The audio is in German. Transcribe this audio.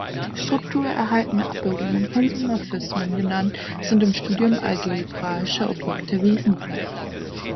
Strukturerhaltende Abbildungen, „Homomorphismen“ genannt, sind im Studium algebraischer Objekte wesentlich.